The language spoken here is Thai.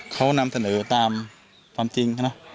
เขานำเสนอตามความจริง